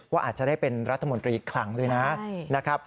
ว่าอาจจะได้เป็นรัฐมนตรีอีกครั้งเลยนะ